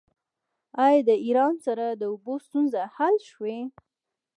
آیا له ایران سره د اوبو ستونزه حل شوې؟